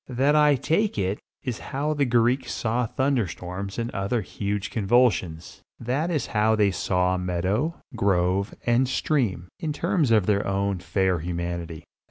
That, I take it, is how the Greeks saw thunder storms and other huge convulsions; that is how they saw meadow, grove and stream in terms of their own fair humanity.